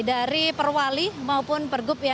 dari perwali maupun pergub